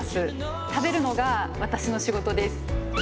食べるのが私の仕事です。